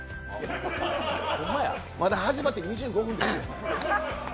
まだ始まって２５分ですよ。